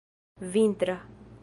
vintra